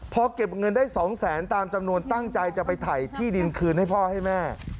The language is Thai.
พอเก็บเงินได้๒แสนตามจำนวนตั้งใจจะไปถ่ายที่ดินคืนให้พ่อให้แม่